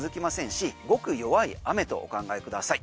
しごく弱い雨とお考えください。